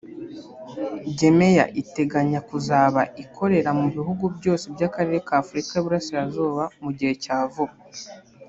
Gemeya iteganya kuzaba ikorera mu bihugu byose by’akarere ka Afurika y’uburasirazuba mu gihe cya vuba